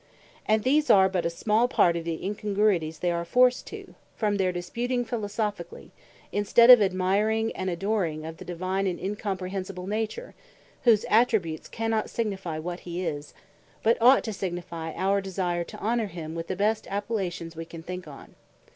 And these are but a small part of the Incongruities they are forced to, from their disputing Philosophically, in stead of admiring, and adoring of the Divine and Incomprehensible Nature; whose Attributes cannot signifie what he is, but ought to signifie our desire to honour him, with the best Appellations we can think on.